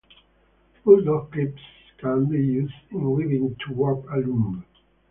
Bulldog clips can be used in weaving to warp a loom.